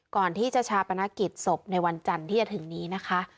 ก่อนที่จะชาปนกิจศพในวันจันทร์ที่จะถึงนี้นะคะ